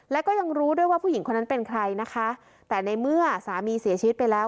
แล้วก็ยังรู้ด้วยว่าผู้หญิงคนนั้นเป็นใครนะคะแต่ในเมื่อสามีเสียชีวิตไปแล้ว